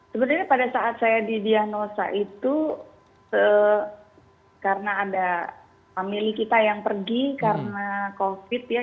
sebenarnya pada saat saya didiagnosa itu karena ada family kita yang pergi karena covid ya